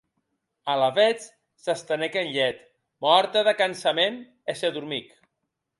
Alavetz s'estenec en lhet, mòrta de cansament, e se dormic.